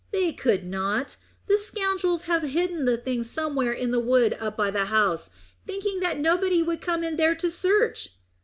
"They could not. The scoundrels have hidden the things somewhere up in the wood by the house, thinking that nobody would come in there to search."